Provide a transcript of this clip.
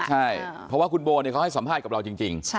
ใช่เพราะว่าคุณโบเขาให้สัมภาษณ์กับเราจริง